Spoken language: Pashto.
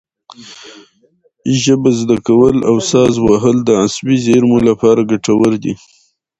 ژبه زده کول او ساز وهل د عصبي زېرمو لپاره ګټور دي.